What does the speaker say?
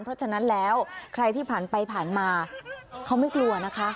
เพราะฉะนั้นแล้วใครที่ผ่านไปผ่านมาเขาไม่กลัวนะคะ